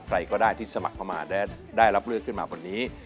ใกล้ก็ได้ที่สมัครมาและได้รับเลือกขึ้นมาคนนี้